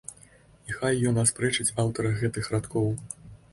І хай ён аспрэчыць аўтара гэтых радкоў!